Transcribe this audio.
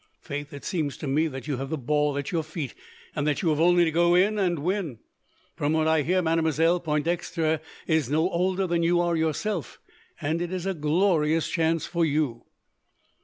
Faith, it seems to me that you have the ball at your feet, and that you have only to go in and win. From what I hear, Mademoiselle Pointdexter is no older than you are yourself, and it is a glorious chance for you."